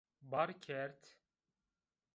Bar kerd.